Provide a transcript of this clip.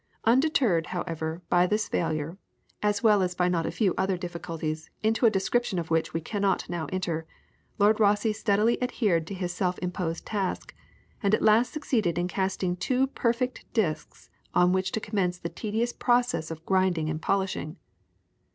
Undeterred, however, by this failure, as well as by not a few other difficulties, into a description of which we cannot now enter, Lord Rosse steadily adhered to his self imposed task, and at last succeeded in casting two perfect discs on which to commence the tedious processes of grinding and polishing.